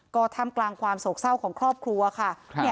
ก็ท่ามกลางความโศกเศร้าของครอบครัวค่ะ